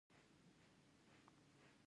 آیا دوی دا توکي نه صادروي؟